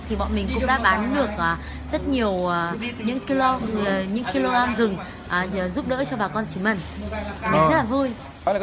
thì bọn mình cũng đã bán được